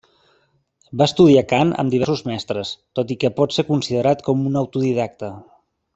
Va estudiar cant amb diversos mestres, tot i que pot ser considerat com un autodidacte.